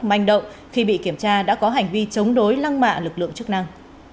manh động khi bị kiểm tra đã có hành vi chống đối lăng mạ lực lượng chức năng